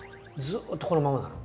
ずっとこのままなの？